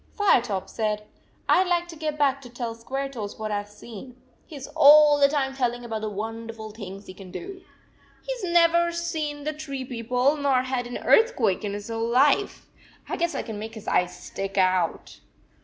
Firetop said: " I d like to get back to tell Squaretoes what I ve seen. He s all the time telling about the wonderful things he can do. He s never seen the tree people nor had an earthquake in his whole life. I guess I can make his eyes stick out."